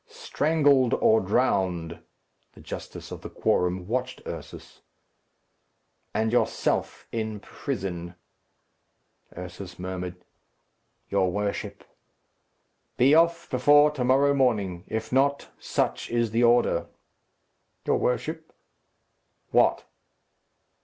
"Strangled, or drowned." The justice of the quorum watched Ursus. "And yourself in prison." Ursus murmured, "Your worship!" "Be off before to morrow morning; if not, such is the order." "Your worship!" "What?"